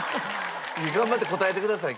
頑張って答えてください。